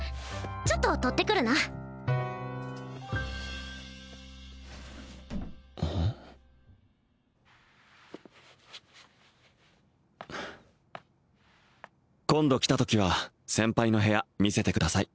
ちょっと取ってくるな今度来たときは先輩の部屋見せてください